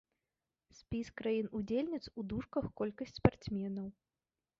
Спіс краін-удзельніц, у дужках колькасць спартсменаў.